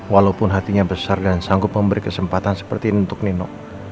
walaupun hatinya besar dan sanggup memberi kesempatan seperti ini untuk nino